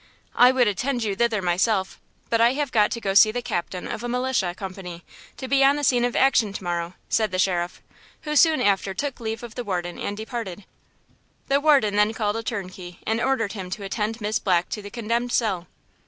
I would attend you thither myself, but I have got to go to see the captain of a militia company to be on the scene of action to morrow," said the sheriff, who soon after took leave of the warden and departed. The warden then called a turnkey and ordered him to attend Miss Black to the condemned cell.